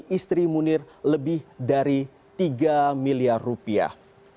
istri munir lebih dari tiga miliar rupiah